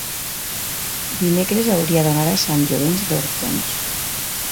dimecres hauria d'anar a Sant Llorenç d'Hortons.